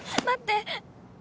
待って！